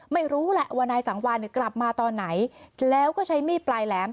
ไม่รู้แหละว่านายสังวานเนี่ยกลับมาตอนไหนแล้วก็ใช้มีดปลายแหลม